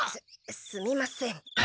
すすみません。